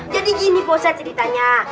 jadi gini pak ustadz ceritanya